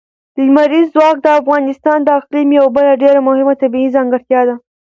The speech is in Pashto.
لمریز ځواک د افغانستان د اقلیم یوه بله ډېره مهمه طبیعي ځانګړتیا ده.